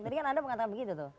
tadi kan anda mengatakan begitu tuh